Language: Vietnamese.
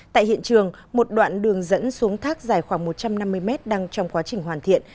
tại hiện trường một đoạn đường dẫn xuống thác dài khoảng một trăm năm mươi mét đang trong quá trình hoàn thiện